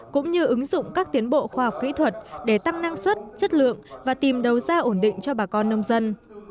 cũng như ứng dụng các tiến bộ khoa học kỹ thuật để tăng năng suất chất lượng và tìm đầu ra ổn định cho bà con nông dân